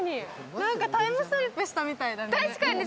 なんかタイムスリップしたみたいだね。